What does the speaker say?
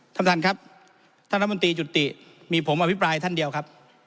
ท่านลำดีจุติมีผมมาพิปรายท่านเดียวครับ